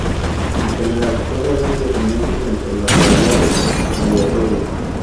En general, puede haber dependencias entre las variables aleatorias.